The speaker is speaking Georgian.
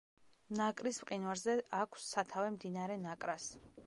ნაკრის მყინვარზე აქვს სათავე მდინარე ნაკრას.